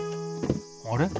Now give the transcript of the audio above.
あれ？